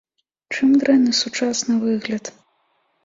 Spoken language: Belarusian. Чым дрэнны сучасны выгляд?